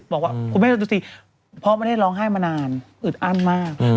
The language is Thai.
บอกว่าคุณแม่ดูสิพ่อไม่ได้ร้องไห้มานานอึดอั้นมาก